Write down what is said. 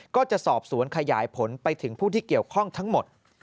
ก็จะสอบสวนขยายผลไปถึงผู้ที่เกี่ยวข้องทั้งหมด